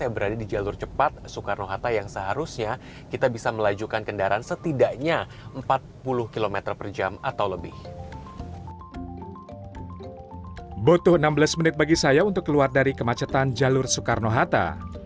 butuh enam belas menit bagi saya untuk keluar dari kemacetan jalur soekarno hatta